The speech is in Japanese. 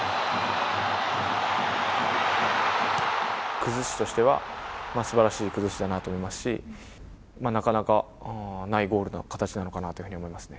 崩しとしては、すばらしい崩しだなと思いますし、なかなかないゴールの形なのかなというふうに思いますね。